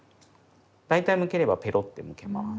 大体むければペロッてむけます。